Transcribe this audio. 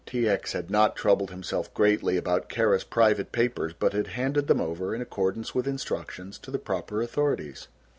T. X. had not troubled himself greatly about Kara's private papers but had handed them over, in accordance with instructions, to the proper authorities.